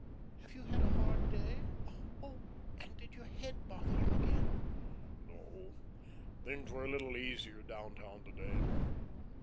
Have you had a hard day? Oh, and did your head bother you again?" "No, things were a little easier down town to day.